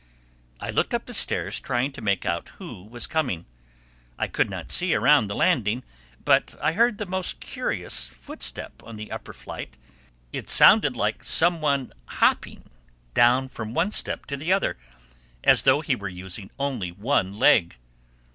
I looked up the stairs trying to make out who was coming. I could not see around the landing but I heard the most curious footstep on the upper flight. It sounded like some one hopping down from one step to the other, as though he were using only one leg.